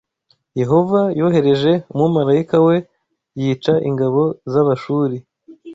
Yehova yohereje umumarayika we yica ingabo z’Abashuri